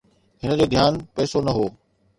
هن جو ڌيان پئسو نه هو